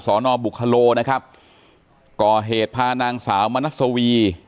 สรรค์บุคคโลลด้วยนะครับก่อเหตุพาหนังสาวมนัสโวี